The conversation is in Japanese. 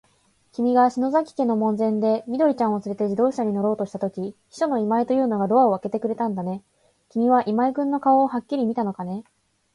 きみが篠崎家の門前で、緑ちゃんをつれて自動車に乗ろうとしたとき、秘書の今井というのがドアをあけてくれたんだね。きみは今井君の顔をはっきり見たのかね。